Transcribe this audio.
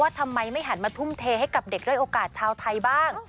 ทำไมไม่หันมาทุ่มเทให้กับเด็กด้วยโอกาสชาวไทยบ้าง